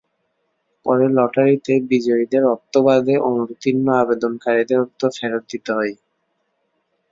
পরে লটারিতে বিজয়ীদের অর্থ বাদে অনুত্তীর্ণ আবেদনকারীদের অর্থ ফেরত দিতে হয়।